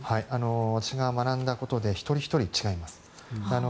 私が学んだことで一人ひとり違います。